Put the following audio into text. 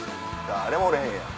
誰もおれへんやん。